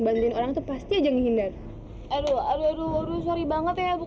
maaf ya kami gak tau